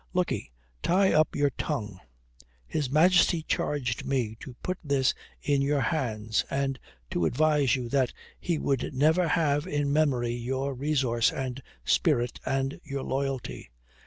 "Look 'e, tie up your tongue. His Majesty charged me to put this in your hands and to advise you that he would ever have in memory your resource and spirit and your loyalty.